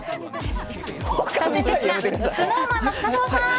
突然ですがＳｎｏｗＭａｎの深澤さん。